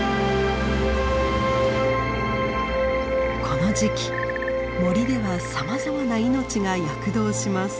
この時期森ではさまざまな命が躍動します。